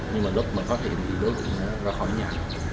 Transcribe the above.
nhưng lúc mình phát hiện thì đối thượng nó ra khỏi nhà